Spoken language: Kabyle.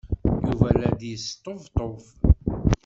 Yuba la d-yesṭebṭub.